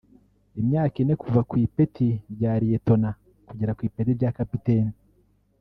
imyaka ine kuva ku ipeti rya Liyetona kugera ku ipeti rya Kapiteni